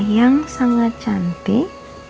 yang sangat cantik